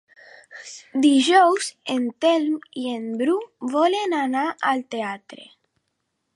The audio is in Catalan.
Dijous en Telm i en Bru volen anar al teatre.